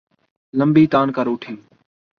لمبی تان کر اُٹھی